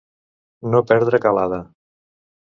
No perdre calada.